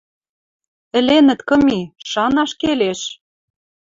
Ӹленӹт кым и — шанаш келеш!